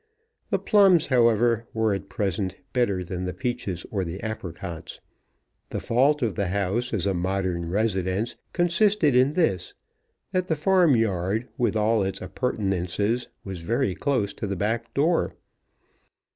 The plums, however, were at present better than the peaches or the apricots. The fault of the house, as a modern residence, consisted in this, that the farm yard, with all its appurtenances, was very close to the back door.